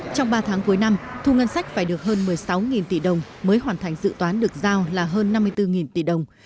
trong ba tháng cuối năm thu ngân sách phải được hơn một mươi sáu tỷ đồng mới hoàn thành dự toán được giao là hơn năm mươi bốn tỷ đồng